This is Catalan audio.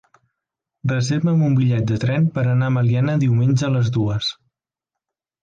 Reserva'm un bitllet de tren per anar a Meliana diumenge a les dues.